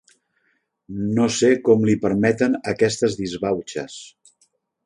No sé com li permeten aquestes disbauxes.